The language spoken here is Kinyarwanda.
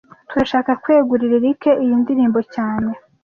Turashaka kwegurira Eric iyi ndirimbo cyane